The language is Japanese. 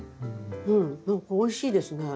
うんおいしいですね。